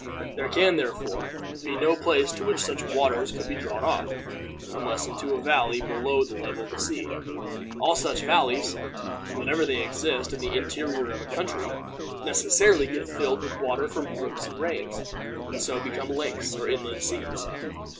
There can, therefore, be no place to which such waters could be drawn off, unless into a valley below the level of the sea. All such valleys, whenever they exist in the interior of a country, necessarily get filled with water from brooks and rains, and so become lakes or inland seas.